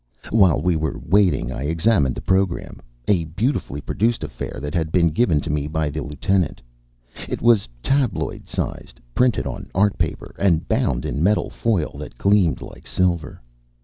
While we were waiting, I examined the program, a beauti fully produced affair that had been given to me by the lieutenant. It was tabloid sized, printed on art paper, and bound in metal foil that gleamed like silver.